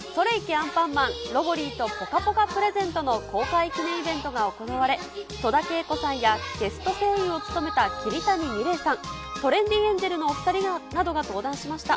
アンパンマンロボリィとぽかぽかプレゼントの公開記念イベントが行われ、戸田恵子さんやゲスト声優を務めた桐谷美玲さん、トレンディエンジェルのお２人などが登壇しました。